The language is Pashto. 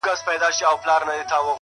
باندي شعرونه ليكم ـ